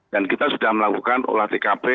dan kita sudah melakukan olah tkp